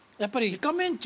イカメンチ。